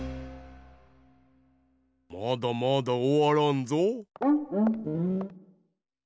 まだまだおわらんぞ。